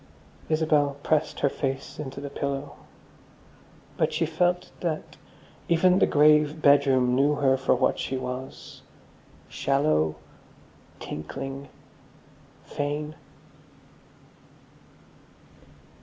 Isabel pressed her face into the pillow. But she felt that even the grave bedroom knew her for what she was, shallow, tinkling, vain....